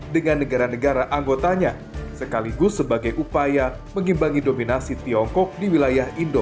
dengan negara negara anggotanya sekaligus sebagai upaya mengimbangi dominasi tiongkok di wilayah indonesia